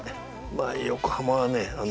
まあ横浜はね